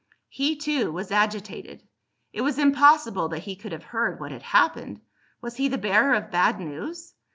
He, too, was agitated. It was impossible that he could have heard what had happened. Was he the bearer of bad news?